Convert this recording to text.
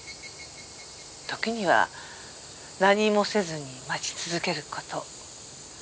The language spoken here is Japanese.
時には何もせずに待ち続ける事。